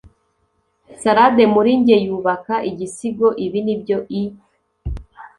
salade muri njye yubaka igisigo. ibi ni byose i